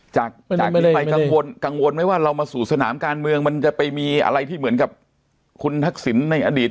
จากนี้ไปกังวลไหมว่าเรามาสู่สนามการเมืองมันจะไปมีอะไรที่เหมือนกับคุณทักษิณในอดีต